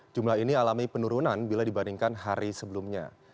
jumlah ini alami penurunan bila dibandingkan hari sebelumnya